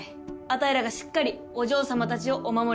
あたいらがしっかりお嬢様たちをお守り致します。